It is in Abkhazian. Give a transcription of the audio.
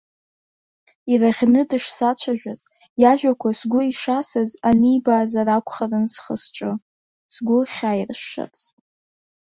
Ираӷьны дышсацәажәаз, иажәақәа сгәы ишасыз анибаазар акәхарын схы-сҿы, сгәы хьаиршшарц.